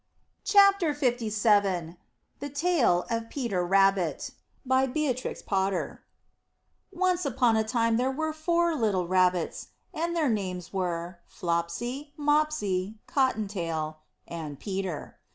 SOME ANIMAL STORIES THE TALE OF PETER RABBIT By Beatrix Potter Once upon a time there were four little Rabbits, and their names were Flopsy, Mopsy, Cotton tail, and Peter.